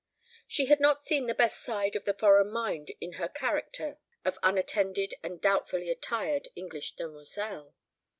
She had not seen the best side of the foreign mind in her character of unattended and doubtfully attired English demoiselle.